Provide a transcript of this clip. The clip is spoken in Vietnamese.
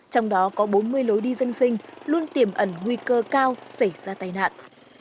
trong đó có bốn mươi lối đi dân sinh luôn tiềm ẩn nguy cơ cao xảy ra tai nạn